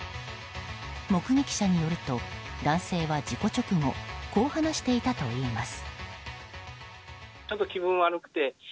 目撃者によると男性は事故直後こう話していたといいます。